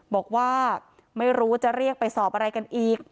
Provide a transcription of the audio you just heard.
บอกว่าไม่รู้จะเรียกไปสอบอะไรกันอีก